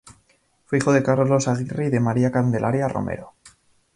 Fue hijo de Carlos Aguirre y de María Candelaria Romero.